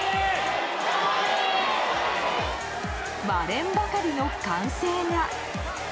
割れんばかりの歓声が。